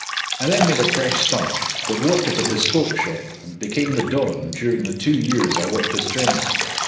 I then made a flesh start, got work at a bespoke shop, and became the don during the two years I worked as journeyman.